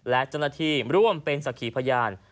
และจนาทีร่วมเป็นศักดิ์ขี้พยาน